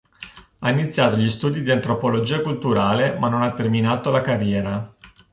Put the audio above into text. Ha iniziato gli studi di antropologia culturale ma non ha terminato la carriera.